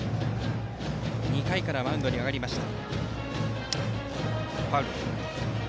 ２回からマウンドに上がりました。